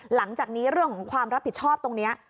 หลังจากนี้เรื่องของความรับผิดชอบตรงนี้